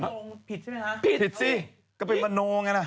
โนผิดใช่ไหมคะผิดผิดสิก็เป็นมโนไงน่ะ